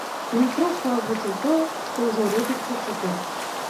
Ён проста агучыў тое, што ўжо робіцца цяпер.